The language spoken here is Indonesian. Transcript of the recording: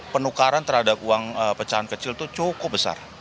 penukaran terhadap uang pecahan kecil itu cukup besar